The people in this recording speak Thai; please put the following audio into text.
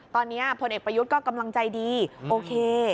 ตอนนี้พลเอกประยุทธ์ก็กำลังใจดีโอเค